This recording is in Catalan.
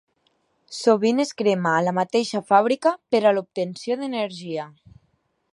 Sovint es crema a la mateixa fàbrica per a l'obtenció d'energia.